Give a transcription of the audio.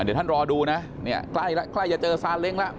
เดี๋ยวท่านรอดูเนอะใกล้จะเจอซาเล้งละ